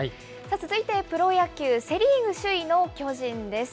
続いてプロ野球、セ・リーグ首位の巨人です。